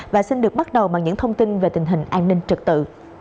và xin được bắt đầu bằng những thông tin về tình hình an ninh trật tự